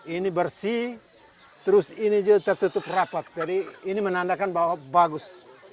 ini bersih terus ini juga tertutup rapat jadi ini menandakan bahwa bagus